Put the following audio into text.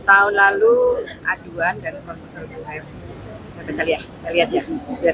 tahun lalu aduan dan konsultasi saya lihat ya